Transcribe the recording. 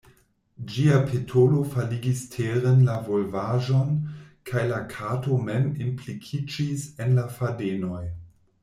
Ĝia petolo faligis teren la volvaĵon kaj la kato mem implikiĝis en la fadenoj.